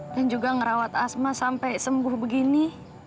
dan juga ngerawat asma sampai sembuh begini